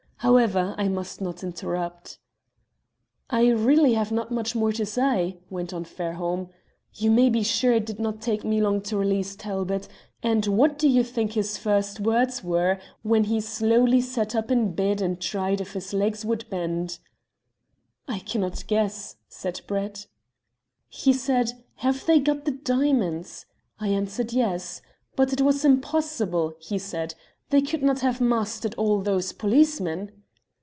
However, I must not interrupt." "I really have not much more to say," went on Fairholme. "You may be sure it did not take me long to release Talbot, and what do you think his first words were when he slowly sat up in bed and tried if his legs would bend?" "I cannot guess," said Brett. "He said: 'Have they got the diamonds?' "I answered 'Yes.' "'But it was impossible,' he said. 'They could not have mastered all those policemen.'